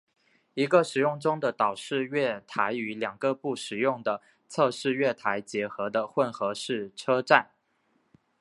一个使用中的岛式月台与两个不使用的侧式月台结合的混合式车站。